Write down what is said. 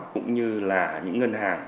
cũng như là những ngân hàng